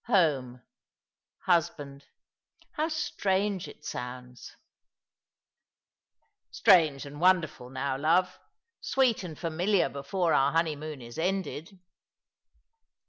Home. Husband. How strange it sounds !" "Strange and wonderful now, loye. Sweet and familiar before our honeymoon is ended."